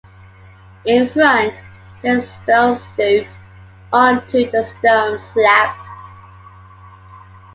In front, there is a stone stoup onto the stone slab.